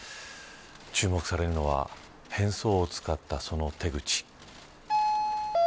注目されるのは変装を使ったその手口。